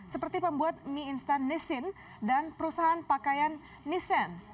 seperti pembuat mie instan nissin dan perusahaan pakaian nissan